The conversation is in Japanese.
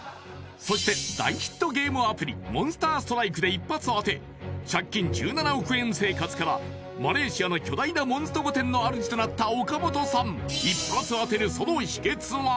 ［そして大ヒットゲームアプリモンスターストライクで一発当て借金１７億円生活からマレーシアの巨大なモンスト御殿のあるじとなった岡本さん］